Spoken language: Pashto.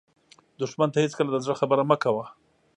دښمن ته هېڅکله د زړه خبره مه کوه